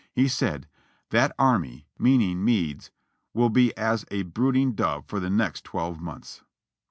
He said : "That army [meaning Meade's] will be as a brooding dove for the next twelve months."